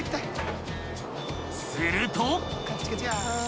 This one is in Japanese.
［すると］